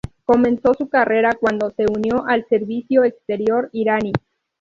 Comenzó su carrera cuando se unió al servicio exterior iraní.